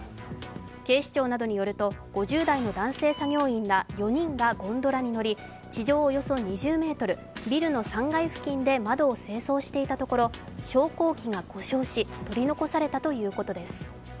警視庁などによると、５０代の男性作業員ら４人がゴンドラに乗り、地上およそ２０ｍ、ビルの３階付近で窓を清掃していたところ昇降機が故障し取り残されたということです。